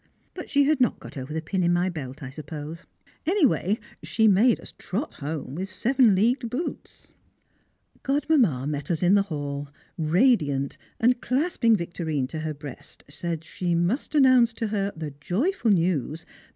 but she had not got over the pin in my belt, I suppose. Anyway she made us trot home with seven leagued boots. [Sidenote: The Music master] Godmamma met us in the hall, radiant, and, clasping Victorine to her breast, said she must announce to her the joyful news that M.